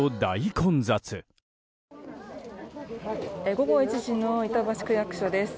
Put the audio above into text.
午後１時の板橋区役所です。